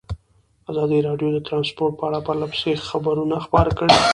ازادي راډیو د ترانسپورټ په اړه پرله پسې خبرونه خپاره کړي.